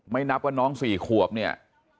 ไม่นับว่าน้องสี่ขวบเนี่ย